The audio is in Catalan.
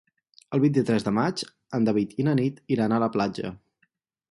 El vint-i-tres de maig en David i na Nit iran a la platja.